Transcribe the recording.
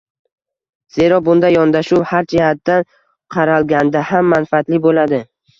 Zero, bunday yondashuv har jihatdan qaralganda ham manfaatli bo‘ladi.